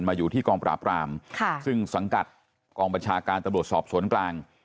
อยู่ที่กองปราบรามซึ่งสังกัดกองบัญชาการตำรวจสอบสวนกลาง